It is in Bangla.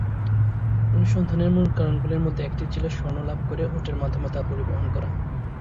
অনুসন্ধানের মূল কারণগুলির মধ্যে একটি ছিল স্বর্ণ লাভ করে উটের মাধ্যমে তা পরিবহন করা।